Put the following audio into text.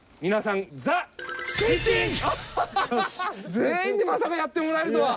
全員にまさかやってもらえるとは。